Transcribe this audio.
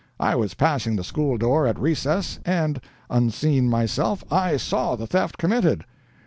I was passing the school door at recess, and, unseen myself, I saw the theft committed!"